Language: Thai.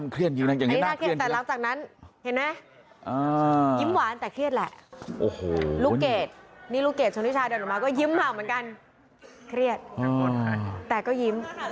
เครียดไหมเนี่ยสู้ใช่ไหม